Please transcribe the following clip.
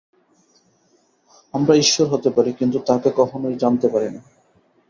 আমরা ঈশ্বর হতে পারি, কিন্তু তাঁকে কখনই জানতে পারি না।